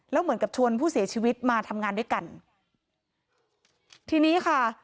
แล้วเหมือนกับชวนผู้เสียชีวิตมาทำงานด้วยกันทีนี้ค่ะ